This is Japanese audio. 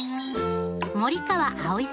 森川葵さん